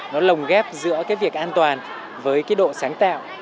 nó lồng ghép giữa cái việc an toàn với cái độ sáng tạo